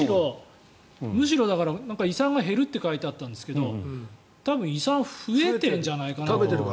むしろ、胃酸が減るって書いてあったんですけど多分、胃酸増えてるんじゃないかなって。